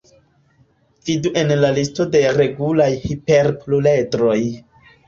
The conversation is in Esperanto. Vidu en la listo de regulaj hiperpluredroj.